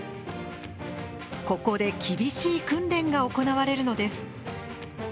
ここで厳しい訓練が行われるのです。